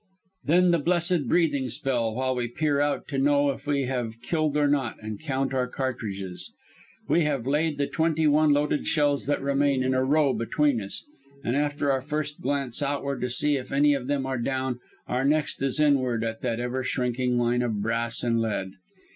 Then the blessed breathing spell, while we peer out to know if we have killed or not, and count our cartridges. We have laid the twenty one loaded shells that remain in a row between us, and after our first glance outward to see if any of them are down, our next is inward at that ever shrinking line of brass and lead.